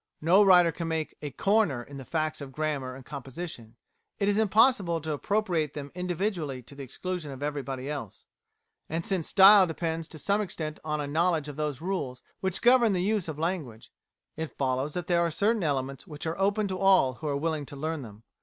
No writer can make a "corner" in the facts of grammar and composition; it is impossible to appropriate them individually to the exclusion of everybody else; and since style depends to some extent on a knowledge of those rules which govern the use of language, it follows that there are certain elements which are open to all who are willing to learn them.